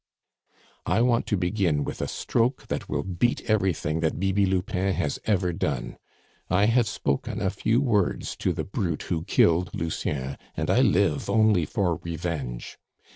"I want to begin with a stroke that will beat everything that Bibi Lupin has ever done. I have spoken a few words to the brute who killed Lucien, and I live only for revenge!